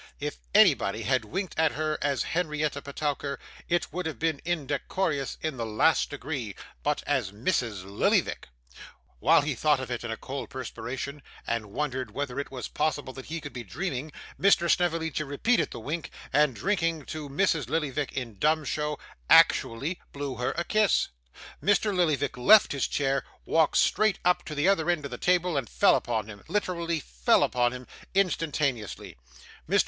If anybody had winked at her as Henrietta Petowker, it would have been indecorous in the last degree; but as Mrs. Lillyvick! While he thought of it in a cold perspiration, and wondered whether it was possible that he could be dreaming, Mr. Snevellicci repeated the wink, and drinking to Mrs. Lillyvick in dumb show, actually blew her a kiss! Mr. Lillyvick left his chair, walked straight up to the other end of the table, and fell upon him literally fell upon him instantaneously. Mr.